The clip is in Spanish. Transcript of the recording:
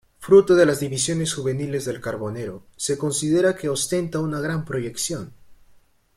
Fruto de las divisiones juveniles del Carbonero, se considera que ostenta una gran proyección.